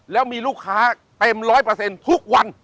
แล้วมีลูกค้าเต็มร้อยเปอร์เซ็นต์ทุกวัน